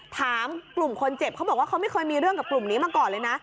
ถามกลุ่มคนเจ็บเขาบอกว่าเขาไม่เคยมีเรื่องกับกลุ่มนี้มาก่อนเลยนะ